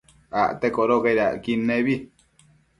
Acte codocaid acquid nebi